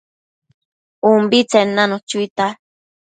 ubitsen nanu chuita